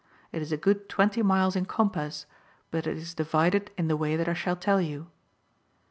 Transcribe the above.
It is a good twenty miles in compass, but it is divided in the way that I shall tell you.